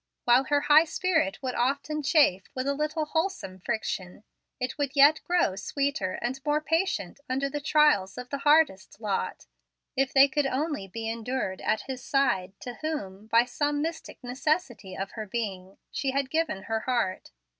While her high spirit would often chafe with a little wholesome friction, it would yet grow sweeter and more patient under the trials of the hardest lot, if they could only be endured at his side to whom, by some mystic necessity of her being, she had given her heart.